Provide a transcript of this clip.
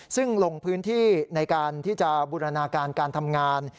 ซึ่งลงพื้นที่ในการที่จะบูรณาการการทำงาน